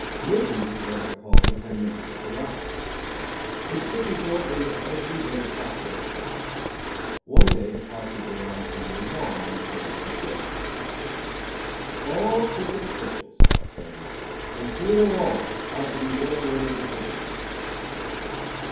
Mickey was what I called a tenement house philosopher. He'd stick his oar into every bit of talk that was started. One day the talk began on Tammany Hall and went something like this: "All crooked officials," said Mull, "including all of them, ought to be railroaded to Sing Sing."